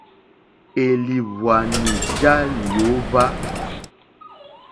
Élìhwwànì já lyǒhwá.